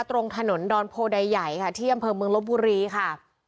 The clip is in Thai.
ตรงถนนดอนโพใดใหญ่ค่ะที่อำเภอเมืองลบบุรีค่ะ